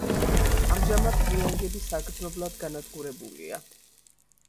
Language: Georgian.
ამჟამად ნიანგები საგრძნობლად განადგურებულია.